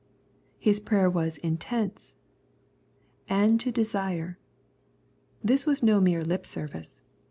His prayer was intense —" And to desireP This was no mere lip service.